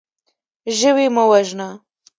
ژوی مه وژنه.